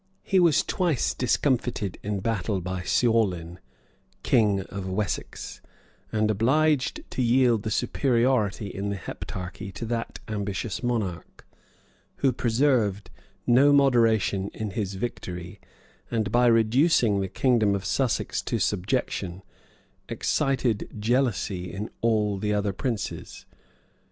[*] He was twice discomfited in battle by Ceaulin, king of Wessex, and obliged to yield the superiority in the Heptarchy to that ambitious monarch, who preserved no moderation in his victory, and by reducing the kingdom of Sussex to subjection, excited jealousy in all the other princes.